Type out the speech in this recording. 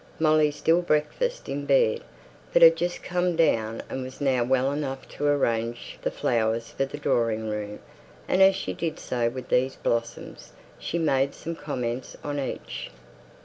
Molly still breakfasted in bed, but she had just come down, and was now well enough to arrange the flowers for the drawing room, and as she did so with these blossoms, she made some comments on each.